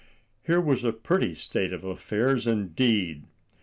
Here was a pretty state of affairs indeed!